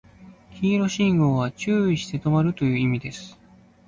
黄色信号は注意して止まるという意味です